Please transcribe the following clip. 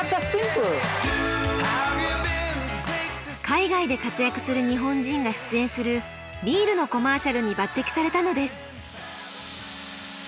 海外で活躍する日本人が出演するビールのコマーシャルに抜擢されたのです。